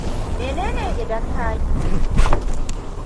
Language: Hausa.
Mene ne idan ka yi?